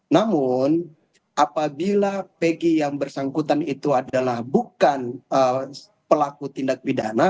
namun apabila pegi yang bersangkutan itu adalah bukan pelaku tindak pidana